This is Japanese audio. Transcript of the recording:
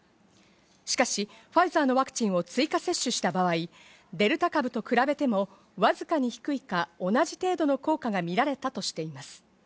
しかし、ファイザーのワクチンを追加接種した場合、デルタ株と比べてもわずかに低いか、同じ程度の効果が見られたとしています。